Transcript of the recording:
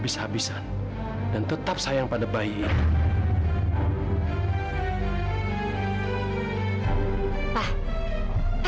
sakit dokter sakit